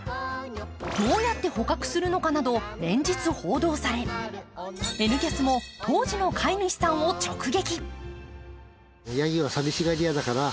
どうやって捕獲するかなど連日報道され、「Ｎキャス」も当時の飼い主さんを直撃。